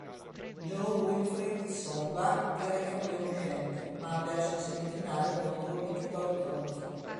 Jo-Wilfried Tsonga era il campione uscente, ma ha perso in semifinale contro Viktor Troicki.